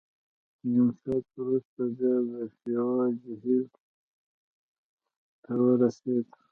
نیم ساعت وروسته بیا د شیوا جهیل سر ته ورسېدو.